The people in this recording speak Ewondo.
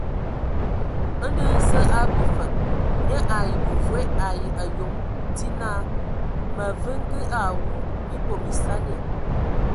Ndo hm Zǝe a abwi fǝg, nye ai bemvoe ai ayom die naa: Mǝ avenge awu, mii bom esani.